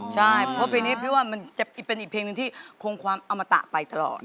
ใช่เพราะเพลงนี้พี่ว่ามันจะเป็นอีกเพลงหนึ่งที่คงความอมตะไปตลอด